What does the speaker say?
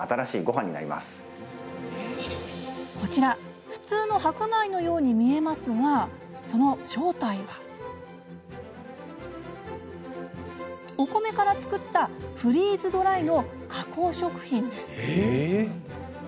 こちら、普通の白米のように見えますが、その正体はお米から作ったフリーズドライの加工食品です。